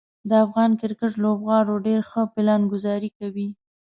د افغان کرکټ لوبغاړو ډیر ښه پلانګذاري کوي.